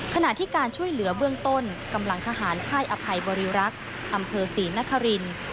ขณะที่การช่วยเหลือเบื้องต้นกำลังทหารค่ายอภัยบริรักษ์อำเภอศรีนครินทร์